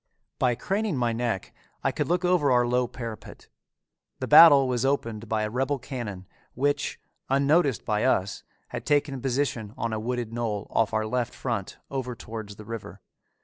By craning my neck, I could look over our low parapet. The battle was opened by a rebel cannon, which, unnoticed by us, had taken position on a wooded knoll off our left front over towards the river.